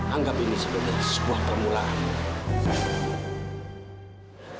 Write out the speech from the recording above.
anggap ini sebenarnya sebuah permulaan